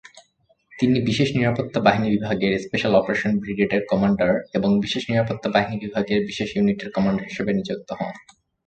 তিনি বিশেষ নিরাপত্তা বাহিনী বিভাগের স্পেশাল অপারেশন ব্রিগেডের কমান্ডার এবং বিশেষ নিরাপত্তা বাহিনী বিভাগের বিশেষ ইউনিটের কমান্ডার হিসেবে নিযুক্ত হন।